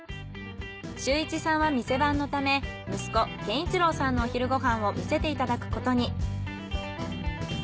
修一さんは店番のため息子健一郎さんのお昼ご飯を見せていただくことに。